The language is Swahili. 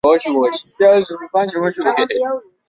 akitafuta kukutana na mimi na nafasi hiyo